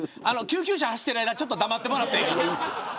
救急車、走ってる間黙ってもらっていい。